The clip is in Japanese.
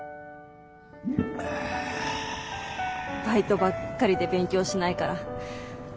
バイトばっかりで勉強しないから。